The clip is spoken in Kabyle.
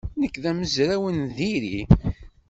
Nekk d amezraw n diri.